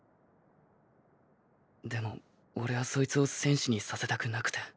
でもオレはそいつを戦士にさせたくなくて。